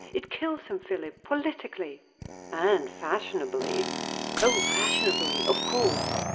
It kills him, Philip, politically." "And fashionably." "O, fashionably! of course."